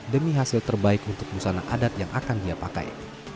demi hasil terbaik untuk busana adat yang akan dia pakai